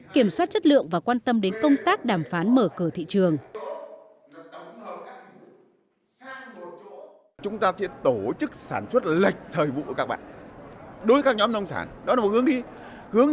kiểm soát chất lượng và quan tâm đến công tác đàm phán mở cờ thị trường